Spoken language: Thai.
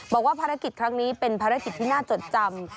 บอกว่าภารกิจครั้งนี้เป็นภารกิจที่น่าจดจำ